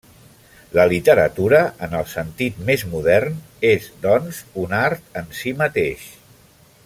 La literatura en el sentit més modern és, doncs, un art en si mateix.